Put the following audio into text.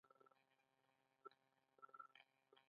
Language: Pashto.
په انسان ټولنو کې بنسټي بدلونونه رامنځته شول